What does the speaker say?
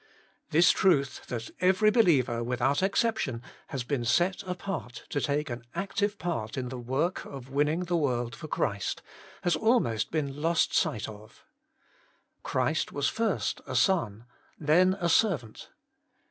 This truth, that every believer without exception has been set apart to take an active part in the zvork of winning the world for Christ, has almost Working for God ^^ been lost sight of. Christ was first a son, then a servant.